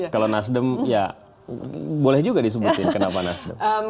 kalau nasdem ya boleh juga disebutin kenapa nasdem